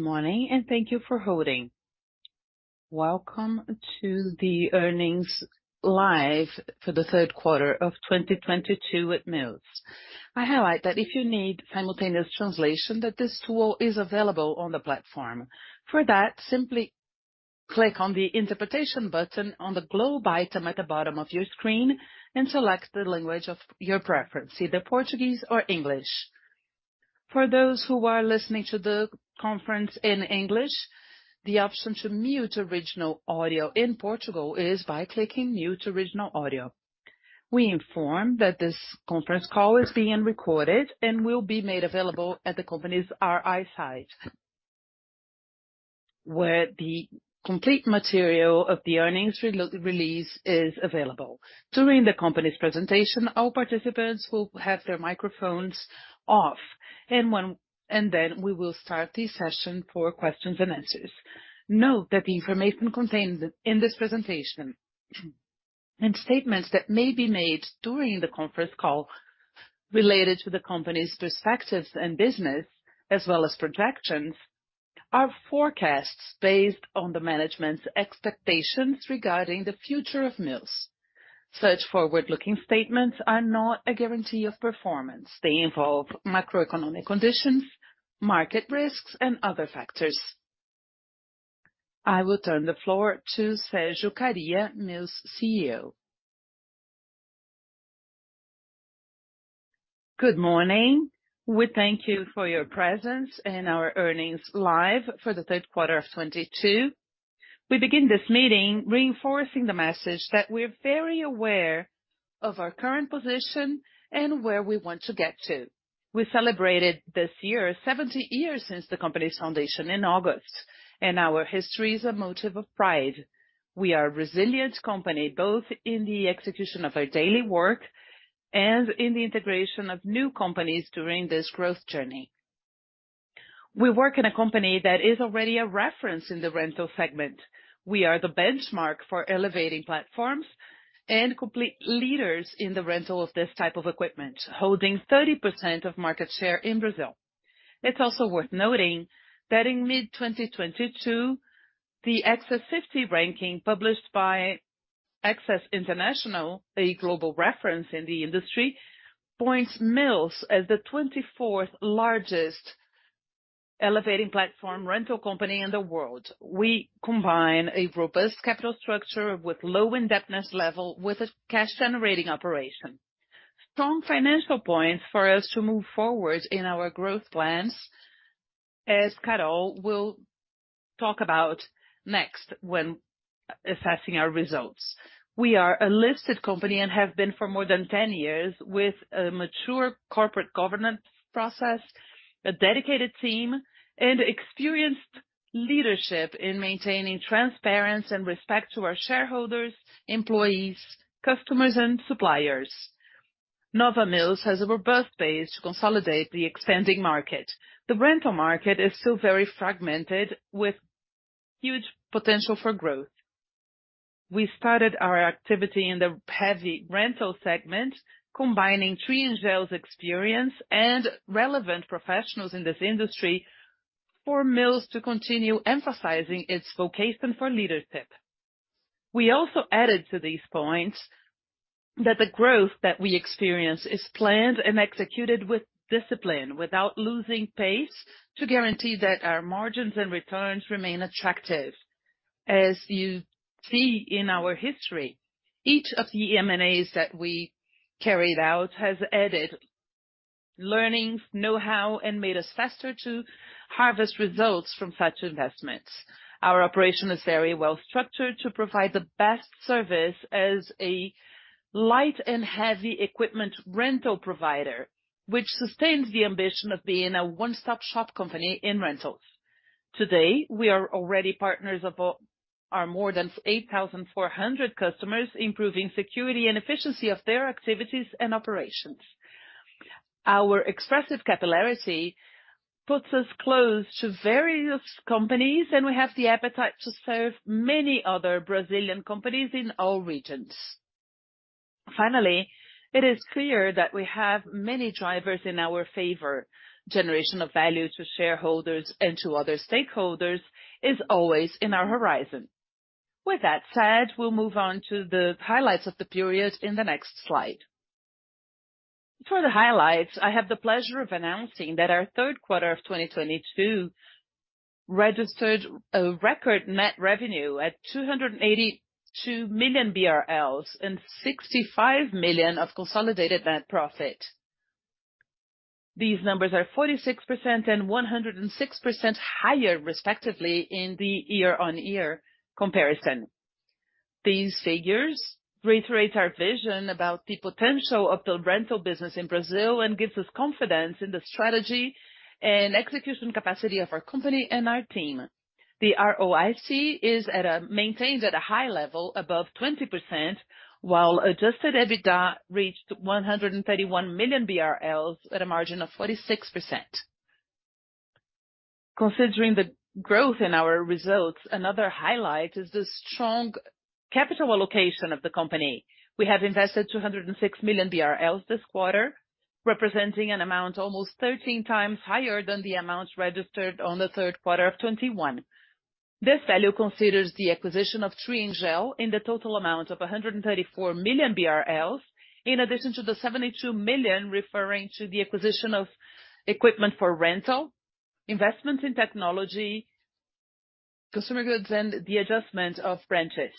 Good morning, and thank you for holding. Welcome to the earnings live for the third quarter of 2022 at Mills. I highlight that if you need simultaneous translation, that this tool is available on the platform. For that, simply click on the interpretation button on the globe item at the bottom of your screen and select the language of your preference, either Portuguese or English. For those who are listening to the conference in English, the option to mute original audio in Portuguese is by clicking Mute Original Audio. We inform that this conference call is being recorded and will be made available at the company's RI site, where the complete material of the earnings release is available. During the company's presentation, all participants will have their microphones off, and then we will start the session for questions and answers. Note that the information contained in this presentation and statements that may be made during the conference call related to the company's perspectives and business, as well as projections, are forecasts based on the management's expectations regarding the future of Mills. Such forward-looking statements are not a guarantee of performance. They involve macroeconomic conditions, market risks, and other factors. I will turn the floor to Sérgio Kariya, Mills' CEO. Good morning. We thank you for your presence in our earnings live for the third quarter of 2022. We begin this meeting reinforcing the message that we're very aware of our current position and where we want to get to. We celebrated this year 70 years since the company's foundation in August, and our history is a motive of pride. We are a resilient company, both in the execution of our daily work and in the integration of new companies during this growth journey. We work in a company that is already a reference in the rental segment. We are the benchmark for elevating platforms and complete leaders in the rental of this type of equipment, holding 30% of market share in Brazil. It's also worth noting that in mid-2022, the Access 50 ranking published by Access International, a global reference in the industry, points Mills as the 24th largest elevating platform rental company in the world. We combine a robust capital structure with low indebtedness level, with a cash-generating operation. Strong financial points for us to move forward in our growth plans, as Carol will talk about next when assessing our results. We are a listed company and have been for more than 10 years with a mature corporate governance process, a dedicated team, and experienced leadership in maintaining transparency and respect to our shareholders, employees, customers, and suppliers. Nova Mills has a robust base to consolidate the expanding market. The rental market is still very fragmented, with huge potential for growth. We started our activity in the heavy rental segment, combining Triengel's experience and relevant professionals in this industry for Mills to continue emphasizing its vocation for leadership. We also added to these points that the growth that we experience is planned and executed with discipline, without losing pace, to guarantee that our margins and returns remain attractive. As you see in our history, each of the M&As that we carried out has added learnings, know-how, and made us faster to harvest results from such investments. Our operation is very well-structured to provide the best service as a light and heavy equipment rental provider, which sustains the ambition of being a one-stop shop company in rentals. Today, we are already partners of our more than 8,400 customers, improving security and efficiency of their activities and operations. Our expressive capillarity puts us close to various companies, and we have the appetite to serve many other Brazilian companies in all regions. Finally, it is clear that we have many drivers in our favor. Generation of value to shareholders and to other stakeholders is always in our horizon. With that said, we'll move on to the highlights of the period in the next slide. For the highlights, I have the pleasure of announcing that our third quarter of 2022 registered a record net revenue at 282 million BRL and 65 million of consolidated net profit. These numbers are 46% and 106% higher, respectively, in the year-on-year comparison. These figures reiterate our vision about the potential of the rental business in Brazil and gives us confidence in the strategy and execution capacity of our company and our team. The ROIC maintains at a high level above 20%, while adjusted EBITDA reached 131 million BRL at a margin of 46%. Considering the growth in our results, another highlight is the strong capital allocation of the company. We have invested 206 million BRL this quarter. Representing an amount almost 13x higher than the amount registered in the third quarter of 2021. This value considers the acquisition of Triengel in the total amount of 134 million BRL, in addition to the 72 million referring to the acquisition of equipment for rental, investments in technology, consumer goods and the adjustment of branches.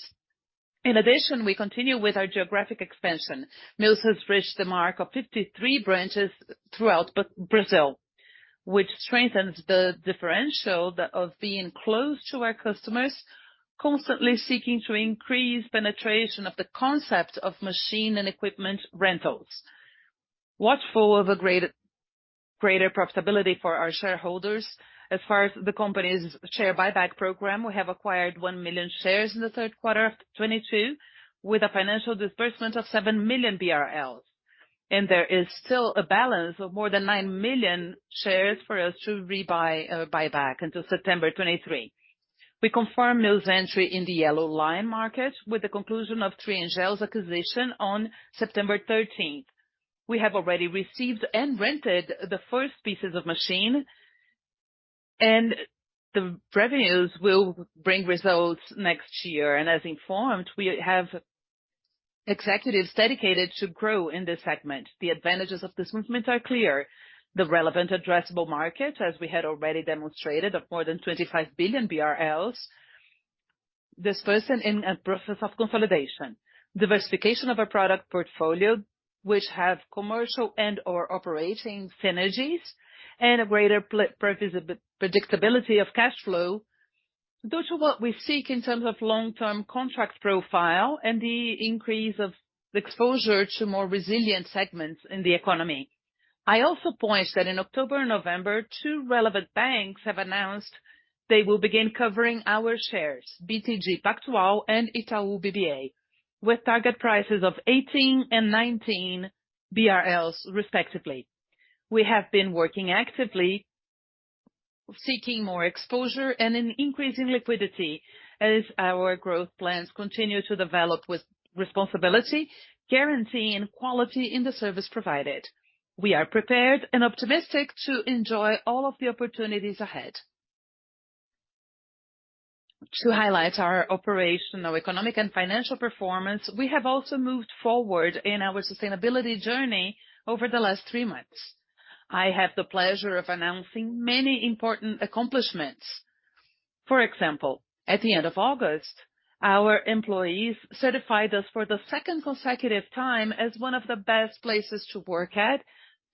In addition, we continue with our geographic expansion. Mills has reached the mark of 53 branches throughout Brazil, which strengthens the differential of being close to our customers, constantly seeking to increase penetration of the concept of machine and equipment rentals. Watchful of a greater profitability for our shareholders. As far as the company's share buyback program, we have acquired 1 million shares in the third quarter of 2022, with a financial disbursement of 7 million BRL. There is still a balance of more than 9 million shares for us to buyback until September 2023. We confirm Mills' entry in the yellow line market with the conclusion of Triengel's acquisition on September 13th. We have already received and rented the first pieces of machine, and the revenues will bring results next year. As informed, we have executives dedicated to grow in this segment. The advantages of this movement are clear. The relevant addressable market, as we had already demonstrated, of more than 25 billion BRL. Disbursement in a process of consolidation. Diversification of a product portfolio which have commercial and/or operating synergies. A greater predictability of cash flow, due to what we seek in terms of long-term contract profile and the increase of exposure to more resilient segments in the economy. I also point out that in October and November, two relevant banks have announced they will begin covering our shares, BTG Pactual and Itaú BBA, with target prices of 18 and 19 BRL respectively. We have been working actively, seeking more exposure and an increase in liquidity as our growth plans continue to develop with responsibility, guarantee and quality in the service provided. We are prepared and optimistic to enjoy all of the opportunities ahead. To highlight our operational, economic and financial performance, we have also moved forward in our sustainability journey over the last three months. I have the pleasure of announcing many important accomplishments. For example, at the end of August, our employees certified us for the second consecutive time as one of the best places to work at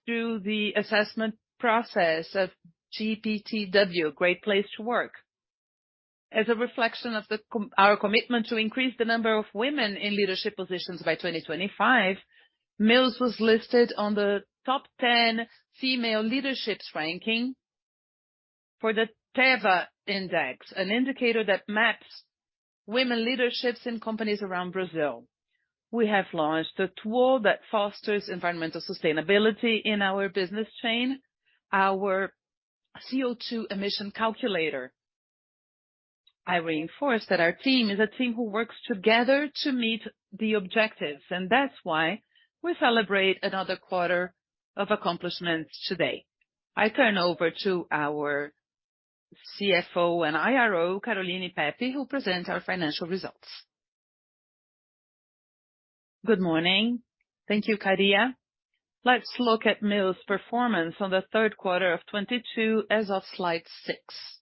through the assessment process of GPTW, Great Place to Work. As a reflection of our commitment to increase the number of women in leadership positions by 2025, Mills was listed on the top 10 female leaderships ranking for the Teva Index, an indicator that maps women leaderships in companies around Brazil. We have launched a tool that fosters environmental sustainability in our business chain, our CO2 emission calculator. I reinforce that our team is a team who works together to meet the objectives, and that's why we celebrate another quarter of accomplishments today. I turn over to our CFO and IRO, Caroline Pepe, who'll present our financial results. Good morning. Thank you, Kariya. Let's look at Mills' performance on the third quarter of 2022 as of slide six.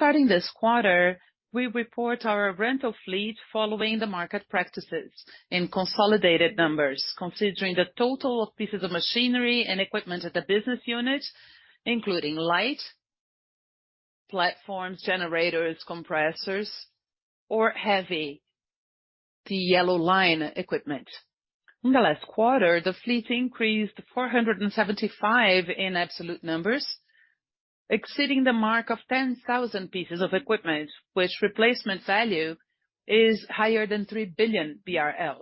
Starting this quarter, we report our rental fleet following the market practices in consolidated numbers, considering the total of pieces of machinery and equipment at the business unit, including light, platforms, generators, compressors or heavy, the Yellow Line equipment. In the last quarter, the fleet increased 475 in absolute numbers, exceeding the mark of 10,000 pieces of equipment, which replacement value is higher than 3 billion BRL.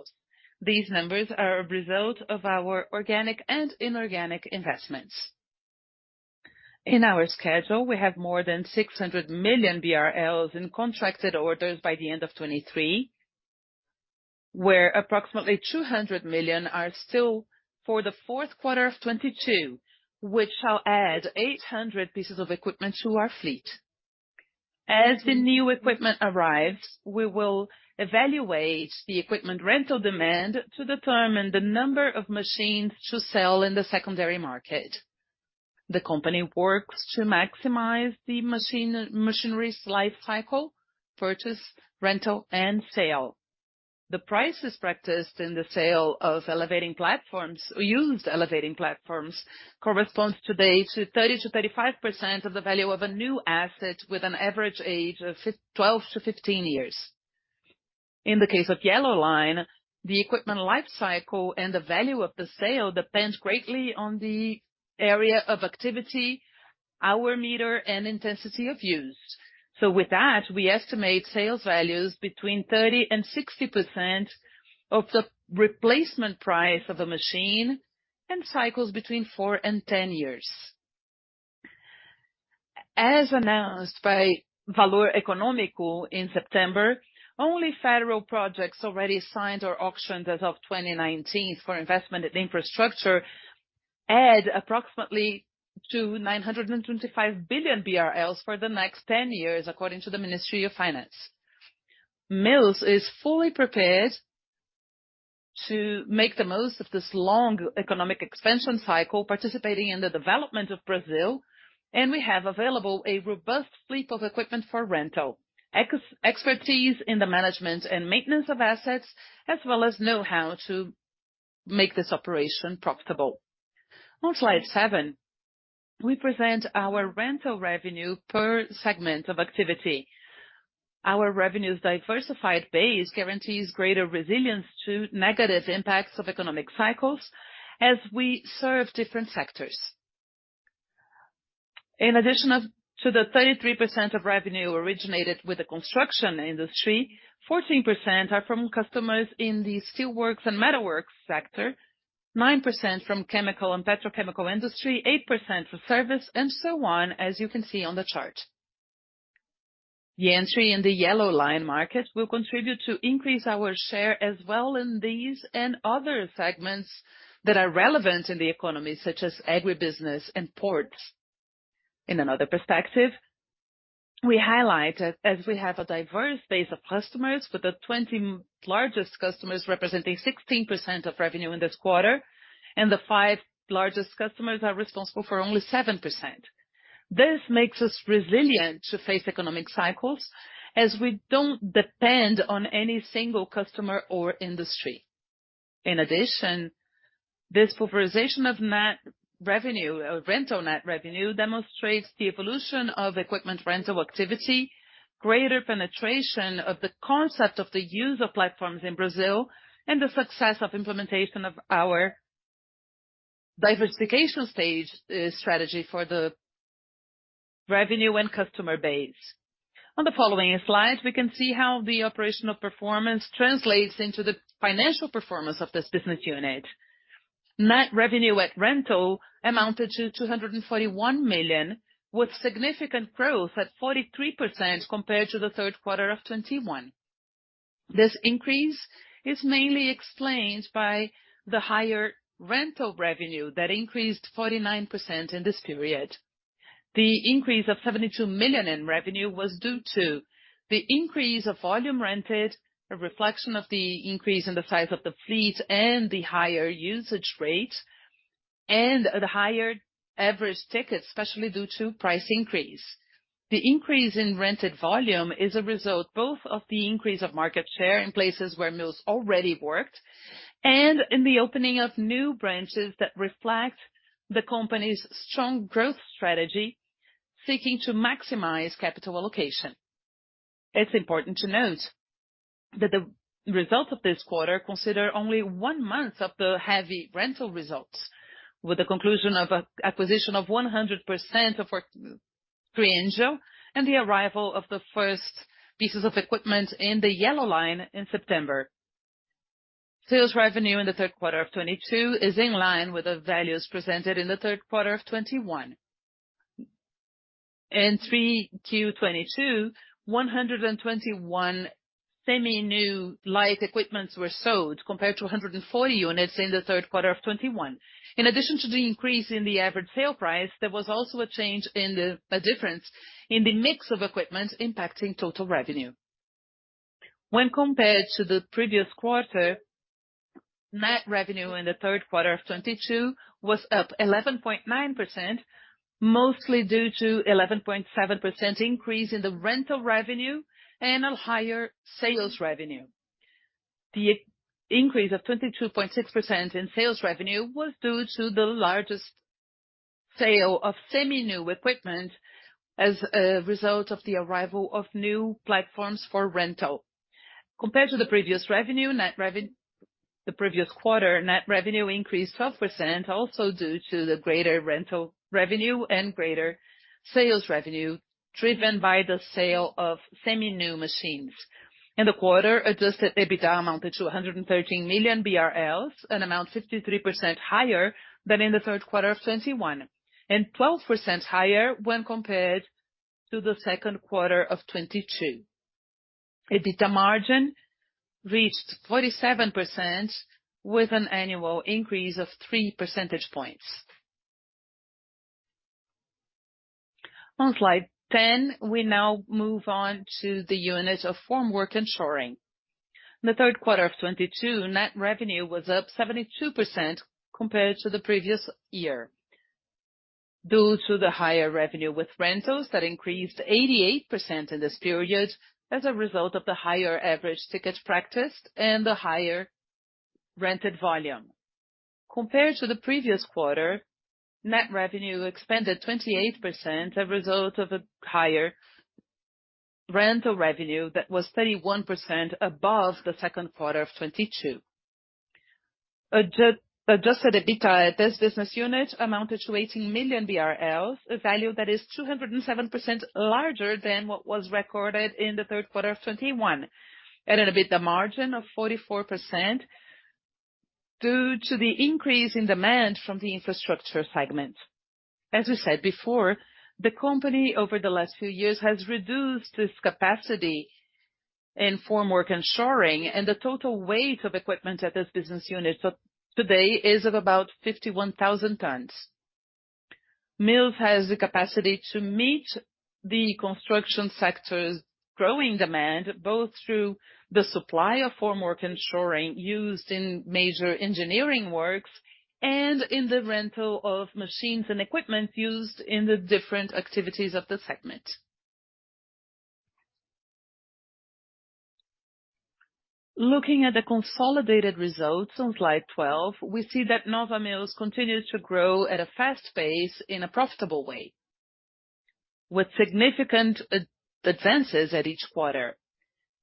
These numbers are a result of our organic and inorganic investments. In our schedule, we have more than 600 million BRL in contracted orders by the end of 2023, where approximately 200 million are still for the fourth quarter of 2022, which shall add 800 pieces of equipment to our fleet. As the new equipment arrives, we will evaluate the equipment rental demand to determine the number of machines to sell in the secondary market. The company works to maximize the machinery's life cycle, purchase, rental and sale. The prices practiced in the sale of elevating platforms or used elevating platforms corresponds today to 30%-35% of the value of a new asset with an average age of 12 years-15 years. In the case of Yellow Line, the equipment life cycle and the value of the sale depends greatly on the area of activity, hour meter and intensity of use. With that, we estimate sales values between 30%-60% of the replacement price of a machine and cycles between four years and 10 years. As announced by Valor Econômico in September, only federal projects already signed or auctioned as of 2019 for investment in infrastructure add approximately to 925 billion BRL for the next 10 years, according to the Ministry of Finance. Mills is fully prepared to make the most of this long economic expansion cycle, participating in the development of Brazil, and we have available a robust fleet of equipment for rental, expertise in the management and maintenance of assets, as well as know-how to make this operation profitable. On slide seven, we present our rental revenue per segment of activity. Our revenue's diversified base guarantees greater resilience to negative impacts of economic cycles as we serve different sectors. In addition to the 33% of revenue originated with the construction industry, 14% are from customers in the steelworks and metalworks sector, 9% from chemical and petrochemical industry, 8% for service, and so on, as you can see on the chart. The entry in the Yellow Line market will contribute to increase our share as well in these and other segments that are relevant in the economy, such as agribusiness and ports. In another perspective, we highlight that as we have a diverse base of customers, with the 20 largest customers representing 16% of revenue in this quarter and the five largest customers are responsible for only 7%. This makes us resilient to face economic cycles, as we don't depend on any single customer or industry. In addition, this pulverization of rental net revenue demonstrates the evolution of equipment rental activity, greater penetration of the concept of the use of platforms in Brazil, and the success of implementation of our diversification stage, strategy for the revenue and customer base. On the following slides, we can see how the operational performance translates into the financial performance of this business unit. Net revenue at rental amounted to 241 million, with significant growth at 43% compared to the third quarter of 2021. This increase is mainly explained by the higher rental revenue that increased 49% in this period. The increase of 72 million in revenue was due to the increase of volume rented, a reflection of the increase in the size of the fleet and the higher usage rate, and the higher average ticket, especially due to price increase. The increase in rented volume is a result both of the increase of market share in places where Mills already worked and in the opening of new branches that reflect the company's strong growth strategy, seeking to maximize capital allocation. It's important to note that the results of this quarter consider only one month of the heavy rental results, with the conclusion of an acquisition of 100% of Triengel and the arrival of the first pieces of equipment in the Yellow Line in September. Sales revenue in the third quarter of 2022 is in line with the values presented in the third quarter of 2021. In 3Q 2022, 121 semi-new light equipments were sold, compared to 140 units in the third quarter of 2021. In addition to the increase in the average sale price, there was also a difference in the mix of equipment impacting total revenue. When compared to the previous quarter, net revenue in the third quarter of 2022 was up 11.9%, mostly due to 11.7% increase in the rental revenue and a higher sales revenue. The increase of 22.6% in sales revenue was due to the largest sale of semi-new equipment as a result of the arrival of new platforms for rental. Compared to the previous quarter, net revenue increased 12%, also due to the greater rental revenue and greater sales revenue, driven by the sale of semi-new machines. In the quarter, adjusted EBITDA amounted to 113 million BRL, an amount 53% higher than in the third quarter of 2021, and 12% higher when compared to the second quarter of 2022. EBITDA margin reached 47% with an annual increase of 3 percentage points. On slide 10, we now move on to the units of formwork and shoring. The third quarter of 2022, net revenue was up 72% compared to the previous year, due to the higher revenue with rentals that increased 88% in this period as a result of the higher average tickets practiced and the higher rented volume. Compared to the previous quarter, net revenue expanded 28%, a result of a higher rental revenue that was 31% above the second quarter of 2022. Adjusted EBITDA at this business unit amounted to 80 million BRL, a value that is 207% larger than what was recorded in the third quarter of 2021. An EBITDA margin of 44% due to the increase in demand from the infrastructure segment. As we said before, the company over the last few years has reduced its capacity in formwork and shoring, and the total weight of equipment at this business unit today is of about 51,000 tons. Mills has the capacity to meet the construction sector's growing demand, both through the supply of formwork and shoring used in major engineering works and in the rental of machines and equipment used in the different activities of the segment. Looking at the consolidated results on slide 12, we see that Nova Mills continues to grow at a fast pace in a profitable way, with significant advances at each quarter.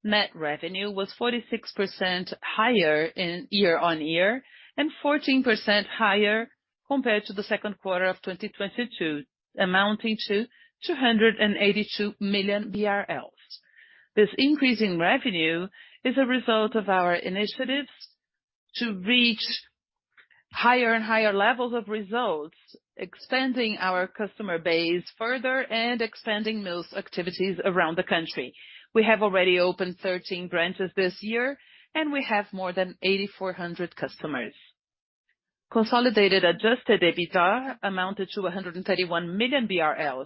Net revenue was 46% higher year-on-year, and 14% higher compared to the second quarter of 2022, amounting to 282 million BRL. This increase in revenue is a result of our initiatives to reach higher and higher levels of results, expanding our customer base further and expanding Mills' activities around the country. We have already opened 13 branches this year, and we have more than 8,400 customers. Consolidated adjusted EBITDA amounted to 131 million BRL,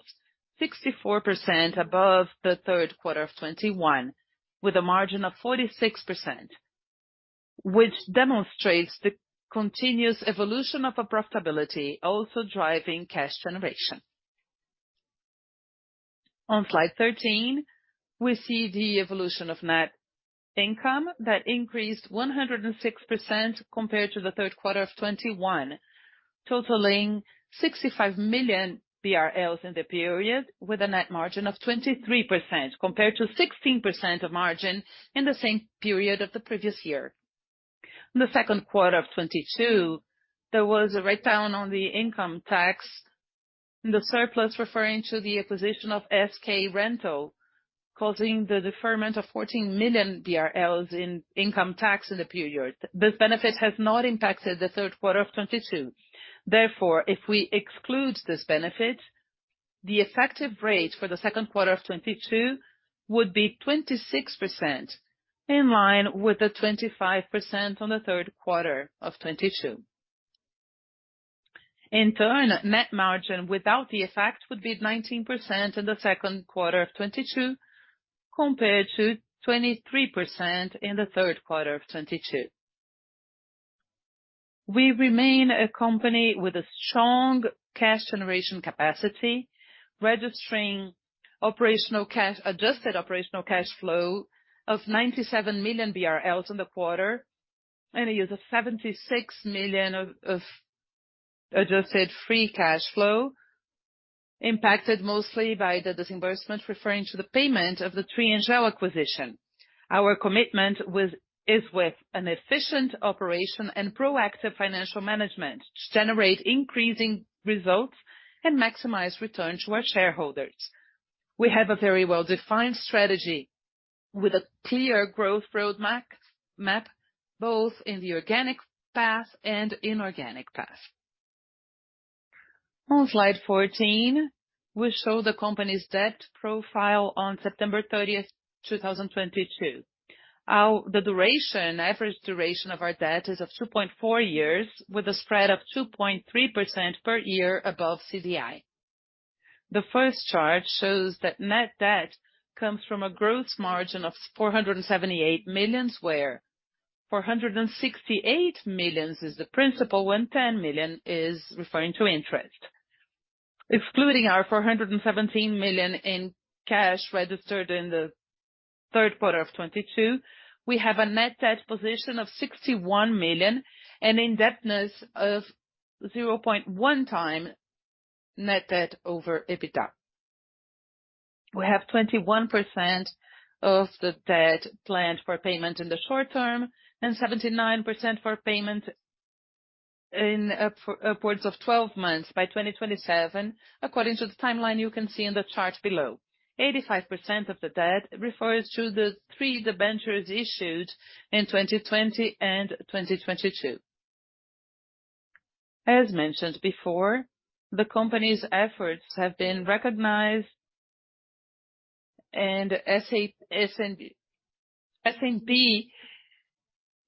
64% above the third quarter of 2021, with a margin of 46%, which demonstrates the continuous evolution of our profitability, also driving cash generation. On slide 13, we see the evolution of net income that increased 106% compared to the third quarter of 2021, totaling 65 million BRL in the period with a net margin of 23% compared to 16% of margin in the same period of the previous year. In the second quarter of 2022, there was a writedown on the income tax and the surplus referring to the acquisition of SK Rental, causing the deferment of 14 million BRL in income tax in the period. This benefit has not impacted the third quarter of 2022. Therefore, if we exclude this benefit, the effective rate for the second quarter of 2022 would be 26%, in line with the 25% on the third quarter of 2022. In turn, net margin without the effect would be 19% in the second quarter of 2022 compared to 23% in the third quarter of 2022. We remain a company with a strong cash generation capacity, registering adjusted operational cash flow of 97 million BRL in the quarter and 76 million of adjusted free cash flow, impacted mostly by the disbursement referring to the payment of the Triengel acquisition. Our commitment is with an efficient operation and proactive financial management to generate increasing results and maximize return to our shareholders. We have a very well-defined strategy with a clear growth roadmap both in the organic path and inorganic path. On slide 14, we show the company's debt profile on September 30th, 2022. The average duration of our debt is 2.4 years, with a spread of 2.3% per year above CDI. The first chart shows that net debt comes from a gross debt of 478 million, where 468 million is the principal with 10 million referring to interest. Excluding our 417 million in cash registered in the third quarter of 2022, we have a net debt position of 61 million and indebtedness of 0.1x net debt over EBITDA. We have 21% of the debt planned for payment in the short term and 79% for payment in upwards of 12 months by 2027, according to the timeline you can see in the chart below. 85% of the debt refers to the three debentures issued in 2020 and 2022. As mentioned before, the company's efforts have been recognized and S&P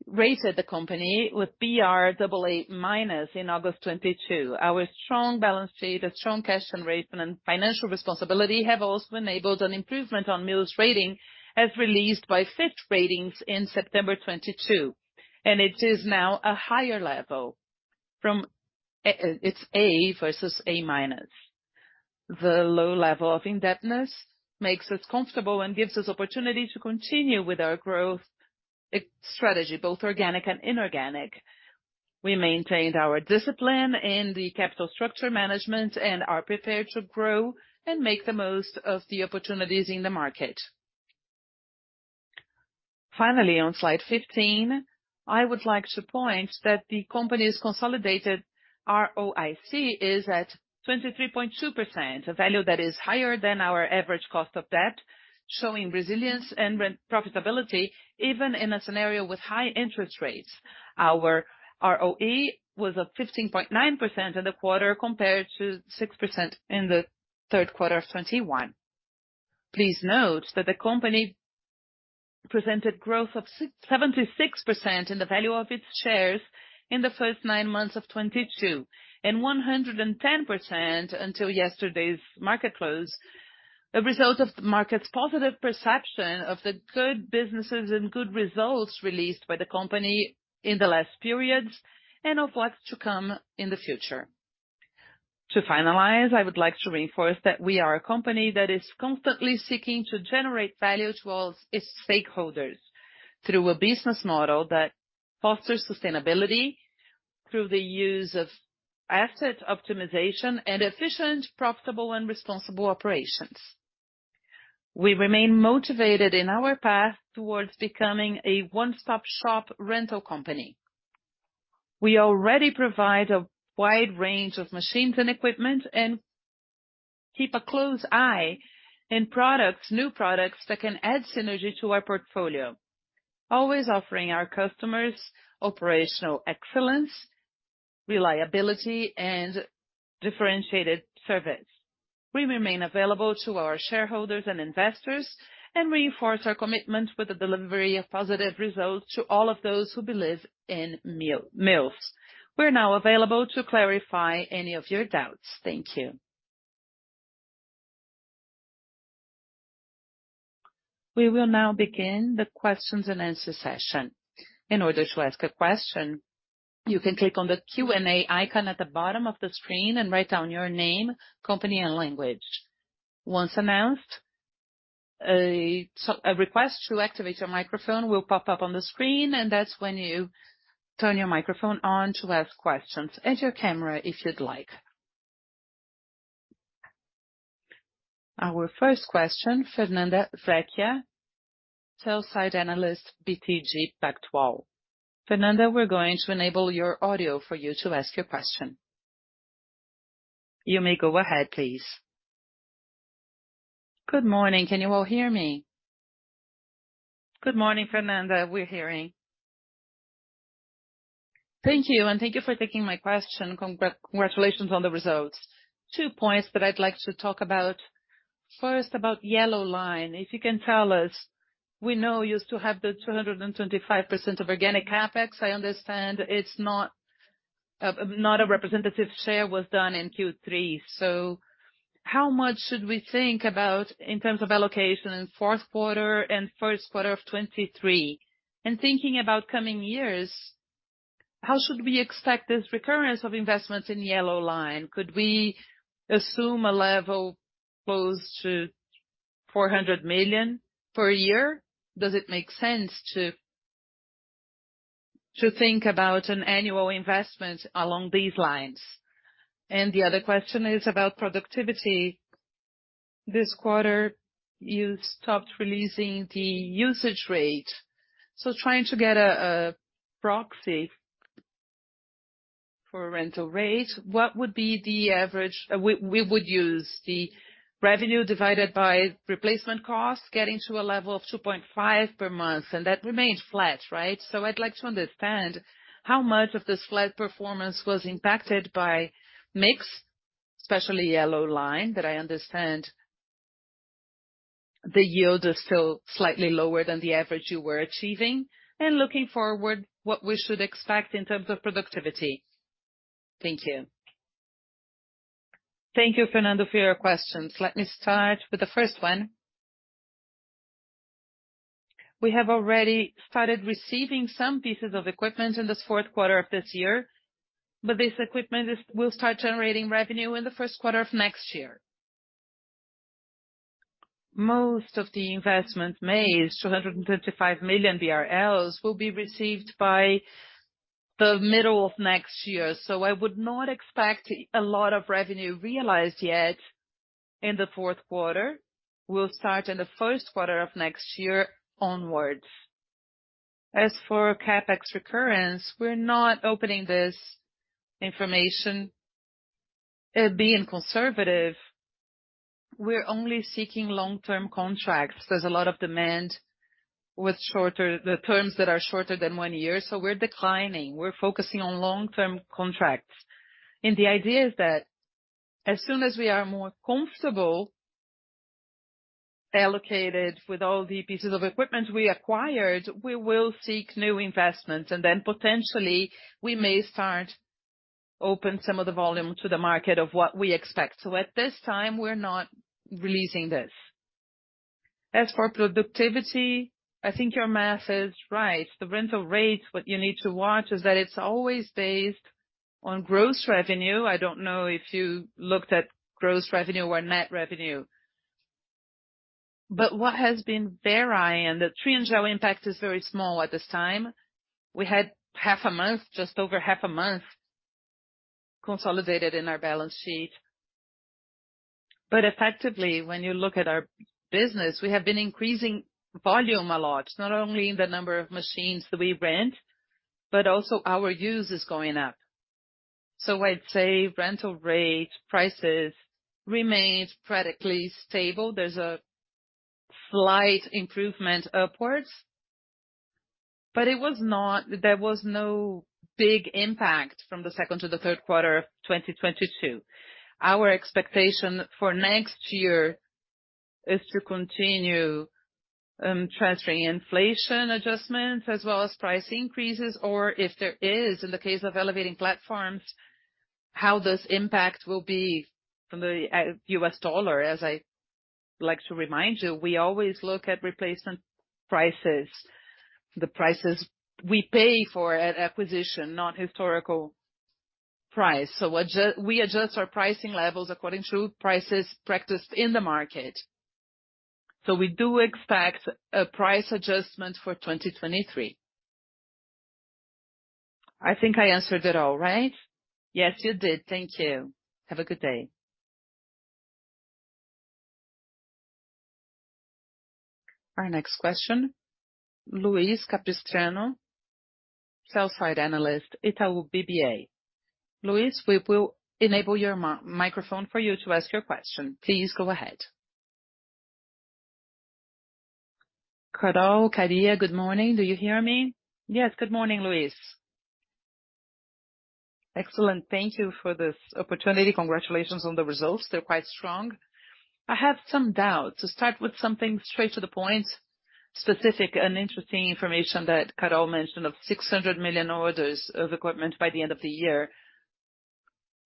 rated the company with brAA- in August 2022. Our strong balance sheet, a strong cash generation and financial responsibility have also enabled an improvement on Mills' rating as released by Fitch Ratings in September 2022, and it is now a higher level from it's A versus A-. The low level of indebtedness makes us comfortable and gives us opportunity to continue with our growth strategy, both organic and inorganic. We maintained our discipline in the capital structure management and are prepared to grow and make the most of the opportunities in the market. Finally, on slide 15, I would like to point out that the company's consolidated ROIC is at 23.2%, a value that is higher than our average cost of debt, showing resilience and profitability even in a scenario with high interest rates. Our ROE was at 15.9% in the quarter, compared to 6% in the third quarter of 2021. Please note that the company presented growth of seventy-six percent in the value of its shares in the first nine months of 2022, and 110% until yesterday's market close, a result of the market's positive perception of the good businesses and good results released by the company in the last periods, and of what's to come in the future. To finalize, I would like to reinforce that we are a company that is constantly seeking to generate value towards its stakeholders through a business model that fosters sustainability through the use of asset optimization and efficient, profitable, and responsible operations. We remain motivated in our path towards becoming a one-stop shop rental company. We already provide a wide range of machines and equipment, and keep a close eye on products, new products that can add synergy to our portfolio, always offering our customers operational excellence, reliability, and differentiated service. We remain available to our shareholders and investors, and reinforce our commitment with the delivery of positive results to all of those who believe in Mills. We're now available to clarify any of your doubts. Thank you. We will now begin the questions and answer session. In order to ask a question, you can click on the Q&A icon at the bottom of the screen and write down your name, company, and language. Once announced, a request to activate your microphone will pop up on the screen, and that's when you turn your microphone on to ask questions, and your camera, if you'd like. Our first question, Fernanda Recchia, Sell-side Analyst, BTG Pactual. Fernanda, we're going to enable your audio for you to ask your question. You may go ahead, please. Good morning. Can you all hear me? Good morning, Fernanda. We're hearing. Thank you, and thank you for taking my question. Congratulations on the results. Two points that I'd like to talk about, first about Yellow Line. If you can tell us, we know you still have the 225% of organic CapEx. I understand it's not a representative share was done in Q3, so how much should we think about in terms of allocation in fourth quarter and first quarter of 2023? Thinking about coming years, how should we expect this recurrence of investments in Yellow Line? Could we assume a level close to 400 million per year? Does it make sense to think about an annual investment along these lines? The other question is about productivity. This quarter, you stopped releasing the usage rate. Trying to get a proxy for rental rate, what would be the average? We would use the revenue divided by replacement cost, getting to a level of 2.5% per month, and that remained flat, right? I'd like to understand how much of this flat performance was impacted by mix, especially Yellow Line, that I understand the yield is still slightly lower than the average you were achieving. Looking forward, what we should expect in terms of productivity. Thank you. Thank you, Fernanda, for your questions. Let me start with the first one. We have already started receiving some pieces of equipment in this fourth quarter of this year, but this equipment will start generating revenue in the first quarter of next year. Most of the investment made, 235 million BRL, will be received by the middle of next year. I would not expect a lot of revenue realized yet in the fourth quarter. We'll start in the first quarter of next year onwards. As for CapEx recurrence, we're not opening this information. Being conservative, we're only seeking long-term contracts. There's a lot of demand with the terms that are shorter than one year, so we're declining. We're focusing on long-term contracts. The idea is that as soon as we are more comfortable, allocated with all the pieces of equipment we acquired, we will seek new investments. Then potentially, we may start opening some of the volume to the market of what we expect. At this time, we're not releasing this. As for productivity, I think your math is right. The rental rates, what you need to watch is that it's always based on gross revenue. I don't know if you looked at gross revenue or net revenue. What has been varying, the Triengel impact is very small at this time. We had half a month, just over half a month consolidated in our balance sheet. Effectively, when you look at our business, we have been increasing volume a lot, not only in the number of machines that we rent, but also our use is going up. I'd say rental rate prices remained practically stable. There's a slight improvement upwards, there was no big impact from the second to the third quarter of 2022. Our expectation for next year is to continue transferring inflation adjustments as well as price increases, or if there is, in the case of elevating platforms, how this impact will be from the U.S. dollar. As I like to remind you, we always look at replacement prices, the prices we pay for at acquisition, not historical price. We adjust our pricing levels according to prices practiced in the market. We do expect a price adjustment for 2023. I think I answered it all right? Yes, you did. Thank you. Have a good day. Our next question, Luiz Capistrano, Sell-side Analyst, Itaú BBA. Luiz, we will enable your microphone for you to ask your question. Please go ahead. Carol, Kariya, good morning. Do you hear me? Yes. Good morning, Luiz. Excellent. Thank you for this opportunity. Congratulations on the results, they're quite strong. I have some doubts. To start with something straight to the point, specific and interesting information that Carol mentioned of 600 million orders of equipment by the end of the year.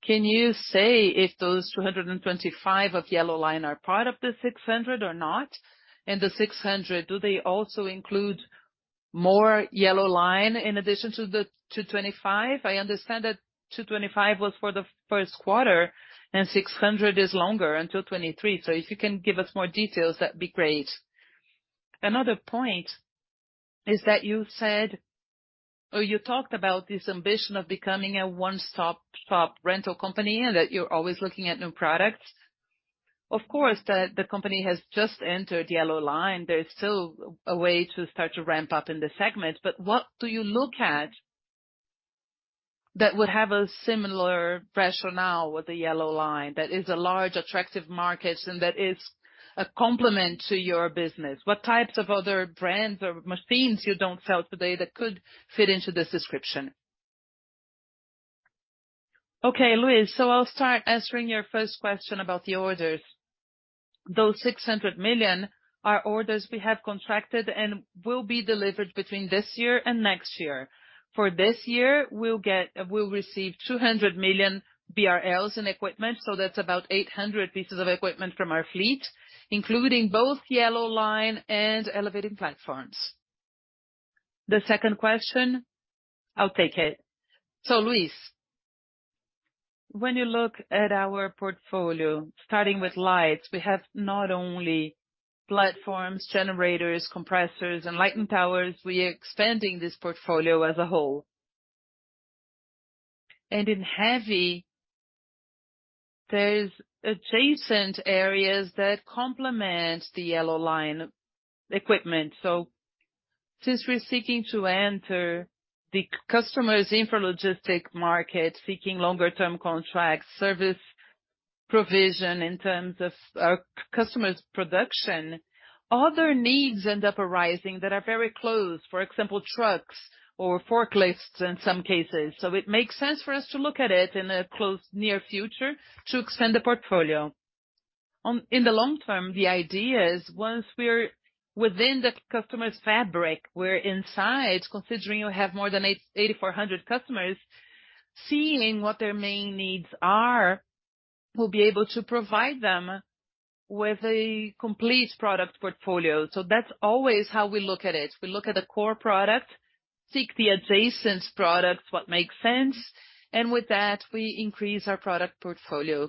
Can you say if those 225 of Yellow Line are part of the 600 or not? And the 600, do they also include more Yellow Line in addition to the 225? I understand that 225 was for the first quarter and 600 is longer, until 2023. So if you can give us more details, that'd be great. Another point is that you talked about this ambition of becoming a one-stop shop rental company, and that you're always looking at new products. Of course, the company has just entered Yellow Line. There's still a way to start to ramp up in the segment, but what do you look at that would have a similar rationale with the Yellow Line that is a large, attractive market and that is a complement to your business? What types of other brands or machines you don't sell today that could fit into this description? Okay, Luiz. I'll start answering your first question about the orders. Those 600 million are orders we have contracted and will be delivered between this year and next year. For this year, we'll receive 200 million BRL in equipment, so that's about 800 pieces of equipment from our fleet, including both Yellow Line and elevating platforms. The second question, I'll take it. Luiz, when you look at our portfolio, starting with lights, we have not only platforms, generators, compressors and lighting towers, we are expanding this portfolio as a whole. In heavy, there's adjacent areas that complement the Yellow Line equipment. Since we're seeking to enter the customers' intralogistics market, seeking longer term contracts, service provision in terms of, customers' production, other needs end up arising that are very close, for example, trucks or forklifts in some cases. It makes sense for us to look at it in the near future to extend the portfolio. In the long term, the idea is once we're within the customer's factory, we're inside, considering you have more than 8,400 customers, seeing what their main needs are, we'll be able to provide them with a complete product portfolio. That's always how we look at it. We look at the core product, seek the adjacent products, what makes sense. With that, we increase our product portfolio.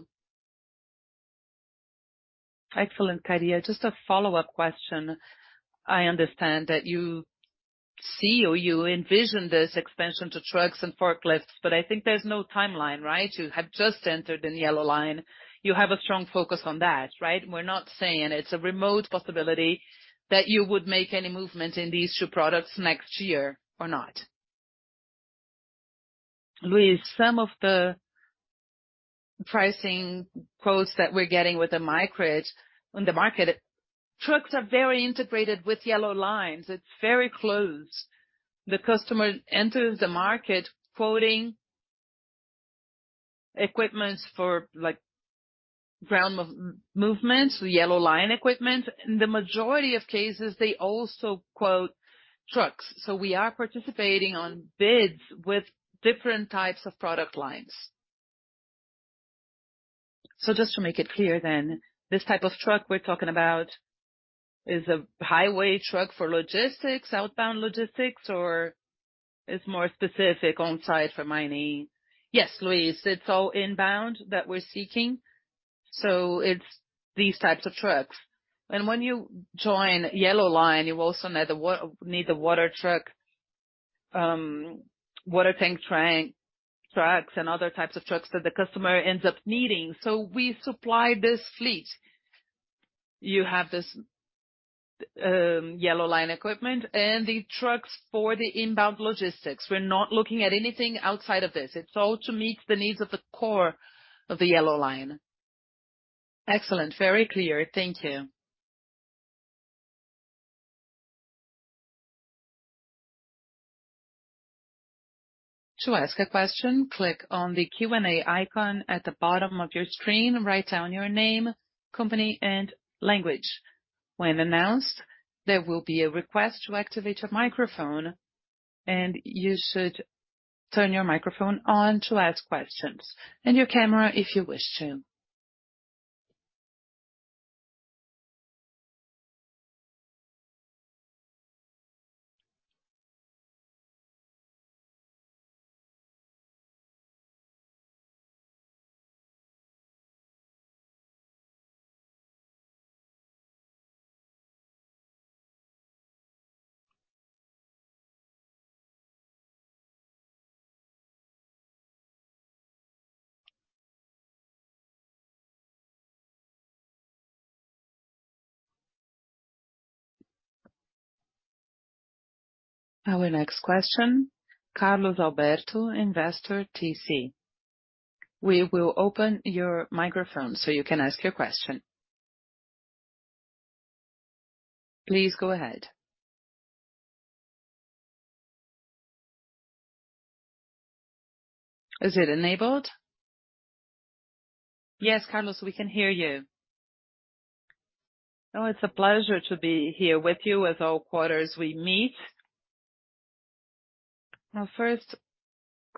Excellent, Kariya. Just a follow-up question. I understand that you see or you envision this expansion to trucks and forklifts, but I think there's no timeline, right? You have just entered in Yellow Line. You have a strong focus on that, right? We're not saying it's a remote possibility that you would make any movement in these two products next year or not. Luiz, some of the pricing quotes that we're getting on the market, trucks are very integrated with Yellow Line. It's very close. The customer enters the market quoting equipment for, like, ground movements, Yellow Line equipment. In the majority of cases, they also quote trucks. We are participating on bids with different types of product lines. Just to make it clear, this type of truck we're talking about is a highway truck for logistics, outbound logistics, or it's more specific on-site for mining? Yes, Luiz, it's all inbound that we're seeking. It's these types of trucks. When you join Yellow Line, you also need a water truck, water tank trucks and other types of trucks that the customer ends up needing. We supply this fleet. You have this Yellow Line equipment and the trucks for the inbound logistics. We're not looking at anything outside of this. It's all to meet the needs of the core of the Yellow Line. Excellent. Very clear. Thank you. To ask a question, click on the Q&A icon at the bottom of your screen and write down your name, company, and language. When announced, there will be a request to activate a microphone and you should turn your microphone on to ask questions, and your camera if you wish to. Our next question, Carlos Alberto, investor, TC. We will open your microphone so you can ask your question. Please go ahead. Is it enabled? Yes, Carlos, we can hear you. Oh, it's a pleasure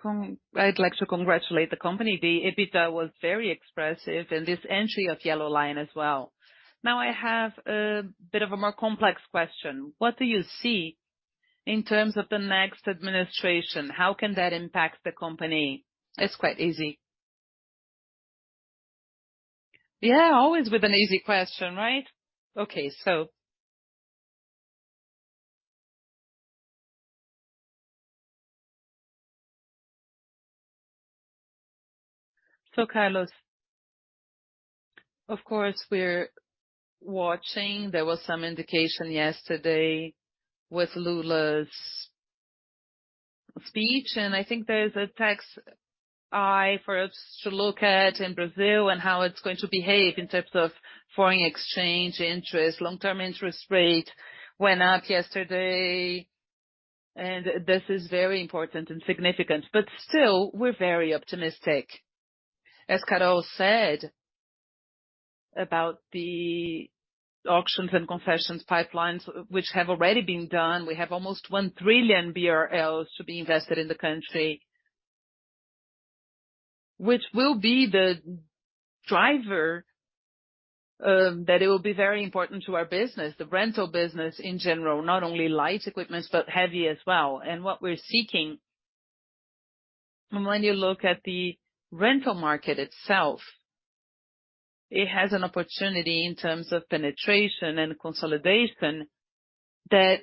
to be here with you as all quarters we meet. Now, I'd like to congratulate the company. The EBITDA was very expressive and this entry of Yellow Line as well. Now I have a bit of a more complex question. What do you see in terms of the next administration? How can that impact the company? It's quite easy. Yeah, always with an easy question, right? Okay, Carlos, of course, we're watching. There was some indication yesterday with Lula's speech, and I think there's a tax hike for us to look at in Brazil and how it's going to behave in terms of foreign exchange interest. Long-term interest rate went up yesterday, and this is very important and significant. Still, we're very optimistic. As Carol said about the auctions and concessions pipelines which have already been done, we have almost 1 trillion BRL to be invested in the country. Which will be the driver, that it will be very important to our business, the rental business in general, not only light equipment, but heavy as well. What we're seeking. When you look at the rental market itself, it has an opportunity in terms of penetration and consolidation that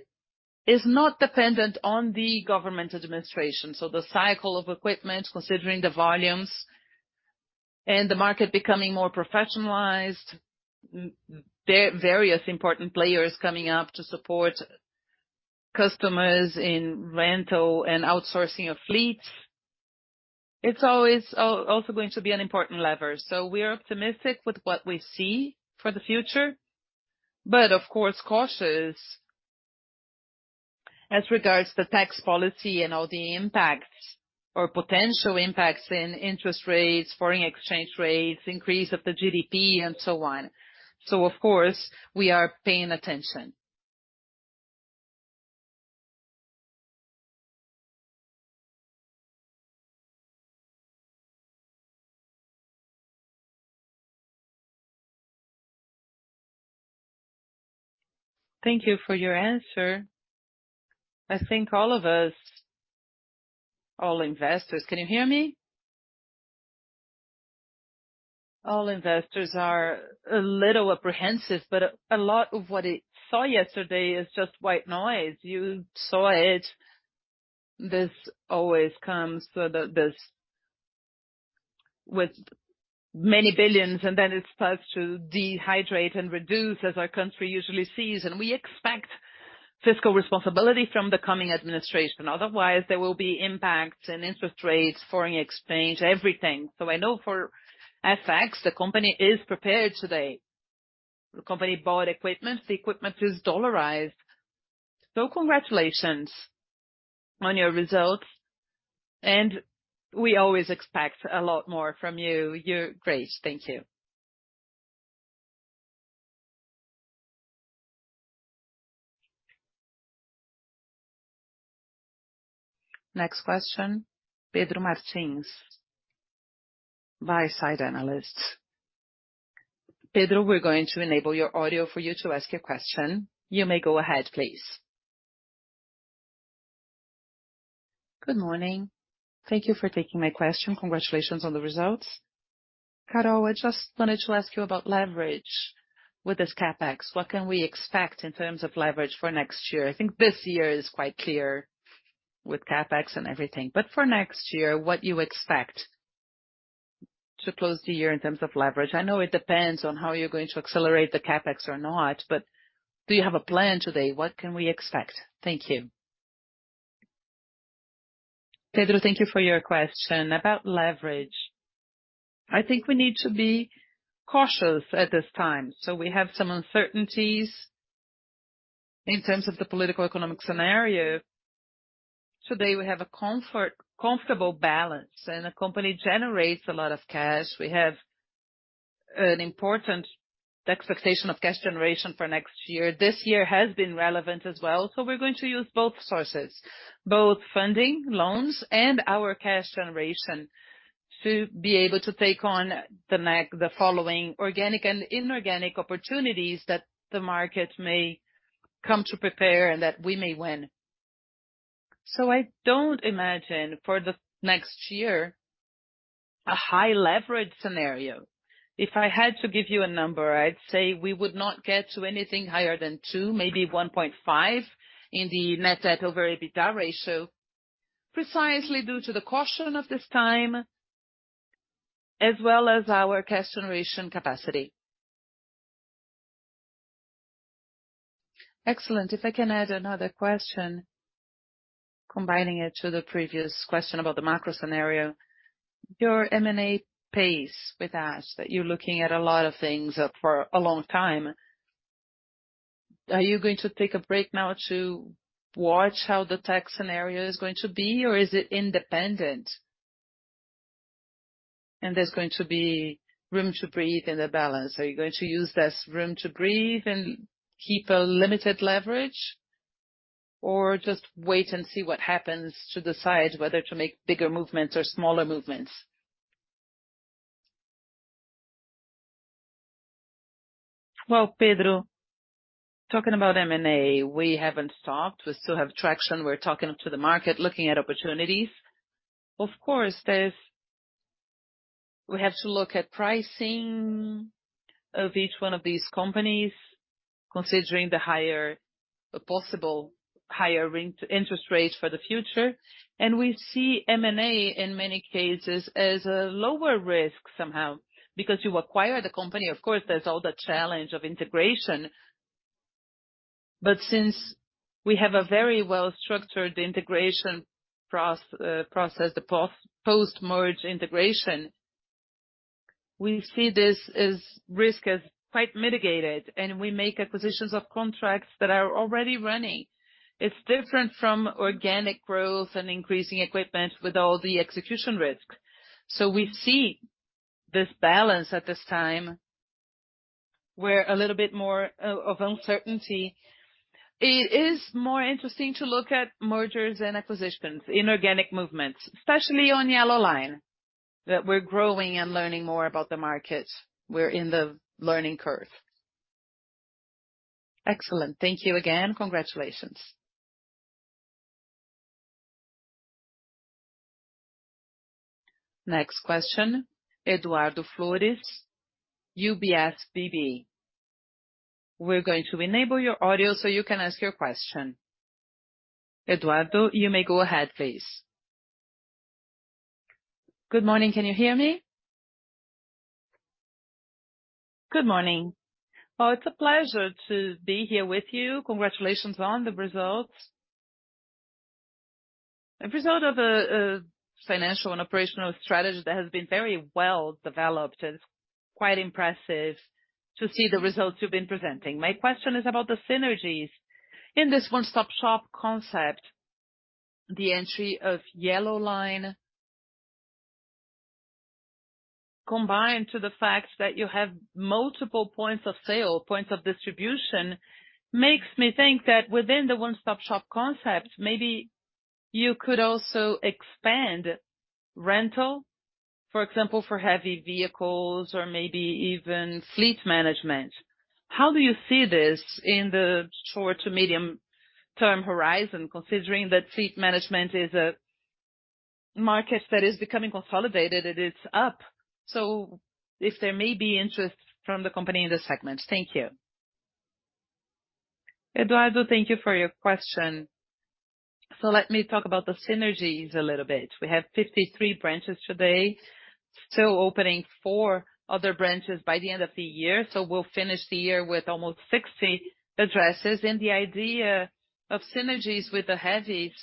is not dependent on the government administration. The cycle of equipment, considering the volumes and the market becoming more professionalized, various important players coming up to support customers in rental and outsourcing of fleets. It's always also going to be an important lever. We are optimistic with what we see for the future. Of course, cautious as regards to the tax policy and all the impacts or potential impacts in interest rates, foreign exchange rates, increase of the GDP and so on. Of course, we are paying attention. Thank you for your answer. I think all of us, all investors. Can you hear me? All investors are a little apprehensive, but a lot of what it saw yesterday is just white noise. You saw it. This always comes so that there's with many billions and then it starts to dehydrate and reduce as our country usually sees. We expect fiscal responsibility from the coming administration. Otherwise, there will be impacts in interest rates, foreign exchange, everything. I know for FX, the company is prepared today. The company bought equipment, the equipment is dollarized. Congratulations on your results, and we always expect a lot more from you. You're great. Thank you. Next question, Pedro Martins, Buy-side Analyst. Pedro, we're going to enable your audio for you to ask your question. You may go ahead, please. Good morning. Thank you for taking my question. Congratulations on the results. Carol, I just wanted to ask you about leverage with this CapEx. What can we expect in terms of leverage for next year? I think this year is quite clear with CapEx and everything, but for next year, what you expect to close the year in terms of leverage. I know it depends on how you're going to accelerate the CapEx or not, but do you have a plan today? What can we expect? Thank you. Pedro, thank you for your question. About leverage, I think we need to be cautious at this time. We have some uncertainties in terms of the political-economic scenario. Today, we have a comfortable balance and the company generates a lot of cash. We have an important expectation of cash generation for next year. This year has been relevant as well. We're going to use both sources, both funding and loans and our cash generation to be able to take on the following organic and inorganic opportunities that the market may come to present and that we may win. I don't imagine for the next year a high leverage scenario. If I had to give you a number, I'd say we would not get to anything higher than two, maybe 1.5, in the net debt over EBITDA ratio, precisely due to the caution of this time, as well as our cash generation capacity. Excellent. If I can add another question, combining it with the previous question about the macro scenario. Your M&A pace with us, that you're looking at a lot of things, for a long time. Are you going to take a break now to watch how the tech scenario is going to be, or is it independent and there's going to be room to breathe in the balance? Are you going to use this room to breathe and keep a limited leverage, or just wait and see what happens to decide whether to make bigger movements or smaller movements? Well, Pedro, talking about M&A, we haven't stopped. We still have traction. We're talking to the market, looking at opportunities. Of course, we have to look at pricing of each one of these companies, considering the possible higher interest rates for the future. We see M&A, in many cases, as a lower risk somehow, because you acquire the company. Of course, there's all the challenge of integration. Since we have a very well-structured integration process, the post-merger integration, we see this risk as quite mitigated, and we make acquisitions of contracts that are already running. It's different from organic growth and increasing equipment with all the execution risk. We see this balance at this time where a little bit more of uncertainty. It is more interesting to look at mergers and acquisitions, inorganic movements, especially on Yellow Line, that we're growing and learning more about the market. We're in the learning curve. Excellent. Thank you again. Congratulations. Next question, Eduardo Flores, UBS BB. We're going to enable your audio so you can ask your question. Eduardo, you may go ahead, please. Good morning. Can you hear me? Good morning. Oh, it's a pleasure to be here with you. Congratulations on the results. A result of a financial and operational strategy that has been very well-developed. It's quite impressive to see the results you've been presenting. My question is about the synergies in this one-stop shop concept. The entry of Yellow Line, combined with the fact that you have multiple points of sale, points of distribution, makes me think that within the one-stop-shop concept, maybe you could also expand rental, for example, for heavy vehicles or maybe even fleet management. How do you see this in the short- to medium-term horizon, considering that fleet management is a market that is becoming consolidated, it is up. If there may be interest from the company in this segment. Thank you. Eduardo, thank you for your question. Let me talk about the synergies a little bit. We have 53 branches today, still opening four other branches by the end of the year. We'll finish the year with almost 60 addresses. The idea of synergies with the heavies,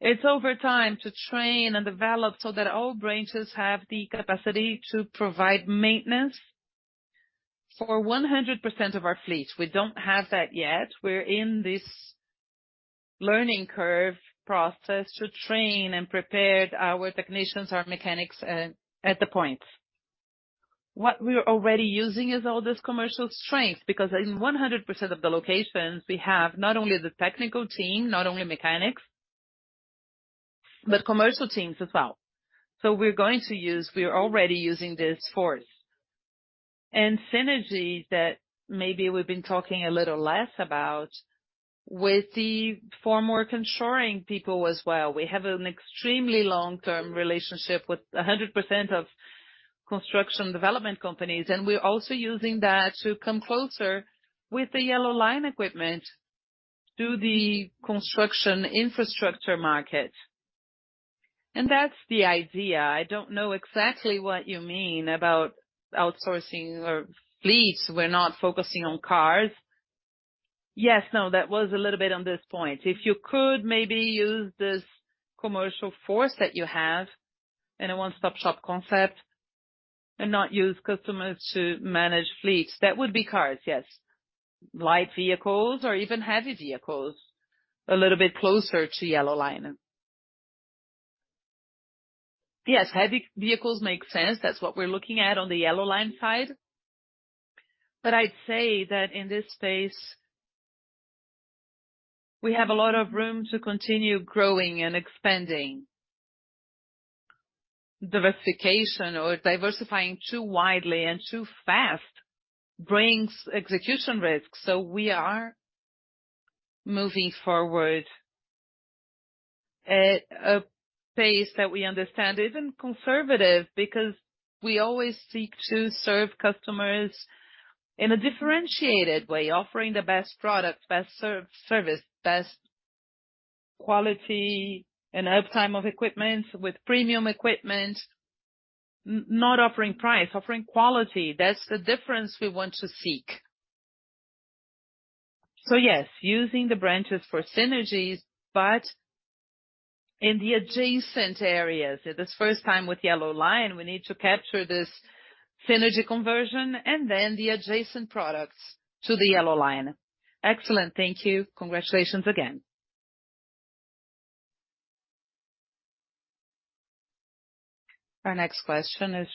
it's over time to train and develop so that all branches have the capacity to provide maintenance for 100% of our fleet. We don't have that yet. We're in this learning curve process to train and prepare our technicians, our mechanics at the points. What we're already using is all this commercial strength, because in 100% of the locations, we have not only the technical team, not only mechanics, but commercial teams as well. We are already using this force. Synergy that maybe we've been talking a little less about with the formwork and shoring people as well. We have an extremely long-term relationship with 100% of construction development companies, and we're also using that to come closer with the Yellow Line equipment to the construction infrastructure market. That's the idea. I don't know exactly what you mean about outsourcing or fleets. We're not focusing on cars. Yes, no, that was a little bit on this point. If you could maybe use this commercial force that you have in a one-stop-shop concept and not use customers to manage fleets. That would be cars, yes. Light vehicles or even heavy vehicles, a little bit closer to Yellow Line. Yes, heavy vehicles make sense. That's what we're looking at on the Yellow Line side. I'd say that in this space, we have a lot of room to continue growing and expanding. Diversification or diversifying too widely and too fast brings execution risk. We are moving forward at a pace that we understand isn't conservative because we always seek to serve customers in a differentiated way, offering the best product, best service, best quality and uptime of equipment with premium equipment. Not offering price, offering quality. That's the difference we want to seek. Yes, using the branches for synergies, but in the adjacent areas. This first time with Yellow Line, we need to capture this synergy conversion and then the adjacent products to the Yellow Line. Excellent. Thank you. Congratulations again. Our next question is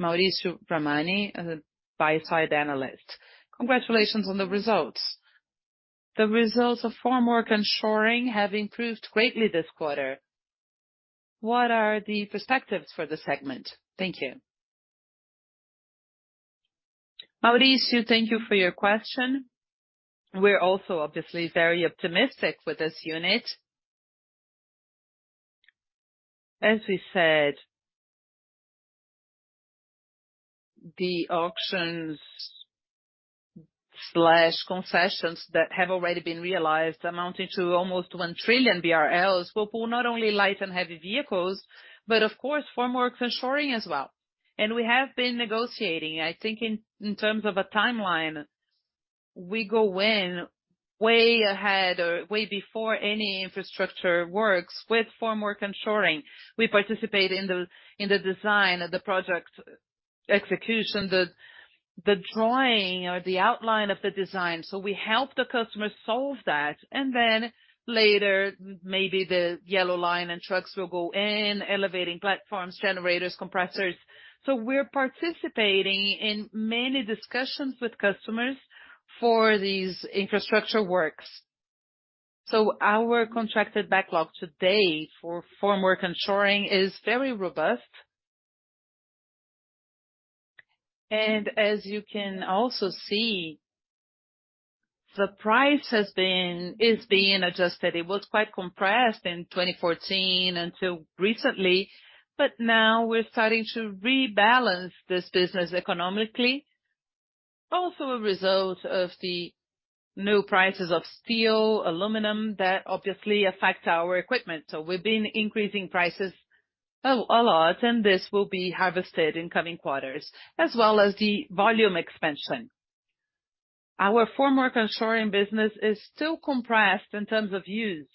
Maurício Patini, a Buy-side Analyst. Congratulations on the results. The results of formwork and shoring have improved greatly this quarter. What are the perspectives for the segment? Thank you. Maurício, thank you for your question. We're also obviously very optimistic with this unit. As we said, the auctions/concessions that have already been realized amounting to almost 1 trillion BRL will pull not only light and heavy vehicles, but of course, formwork and shoring as well. We have been negotiating. I think in terms of a timeline, we go in way ahead or way before any infrastructure works with formwork and shoring. We participate in the design of the project execution, the drawing or the outline of the design. We help the customer solve that. Then later, maybe the Yellow Line and trucks will go in, elevating platforms, generators, compressors. We're participating in many discussions with customers for these infrastructure works. Our contracted backlog today for formwork and shoring is very robust. As you can also see, the price is being adjusted. It was quite compressed in 2014 until recently, but now we're starting to rebalance this business economically. Also a result of the new prices of steel, aluminum, that obviously affect our equipment. We've been increasing prices a lot, and this will be harvested in coming quarters, as well as the volume expansion. Our formwork and shoring business is still compressed in terms of use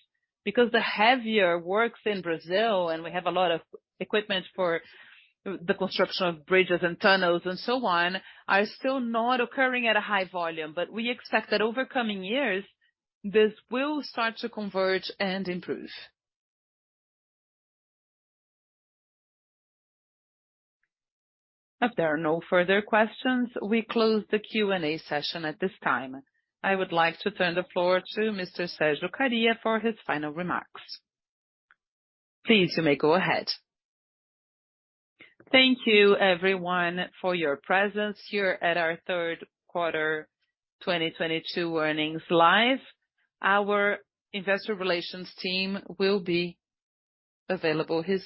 because the heavier works in Brazil, and we have a lot of equipment for the construction of bridges and tunnels and so on, are still not occurring at a high volume. We expect that over coming years, this will start to converge and improve. If there are no further questions, we close the Q&A session at this time. I would like to turn the floor to Mr. Sérgio Kariya for his final remarks. Please, you may go ahead. Thank you everyone for your presence here at our third quarter 2022 earnings live. Our investor relations team will be available here.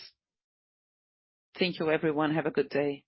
Thank you everyone. Have a good day.